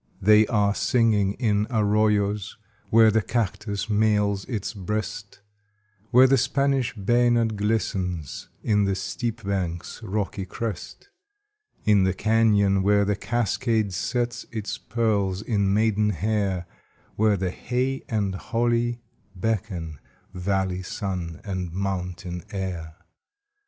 They are singing in arroyos, Where the cactus mails its breast, Where the Spanish bayonet glistens On the steep bank's rocky crest; In the cañon, where the cascade Sets its pearls in maiden hair, Where the hay and holly beckon Valley sun and mountain air.